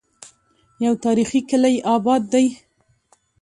يو تاريخي کلے اباد دی